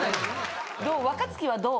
若槻はどう？